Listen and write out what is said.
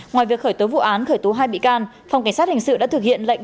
ngoài việc khởi tố vụ án khởi tố hai bị can phòng cảnh sát hình sự đã thực hiện lệnh